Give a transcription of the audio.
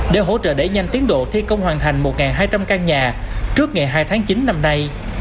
để hỗ trợ đẩy nhanh tiến độ thi công hoàn thành một hai trăm linh căn nhà trước ngày hai tháng chín năm nay